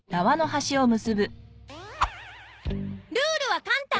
ルールは簡単。